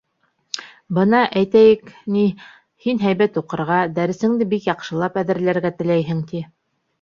— Бына, әйтәйек, ни, һин һәйбәт уҡырға, дәресеңде бик яҡшылап әҙерләргә теләйһең, ти.